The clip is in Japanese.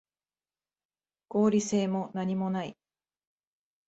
合理性もなにもない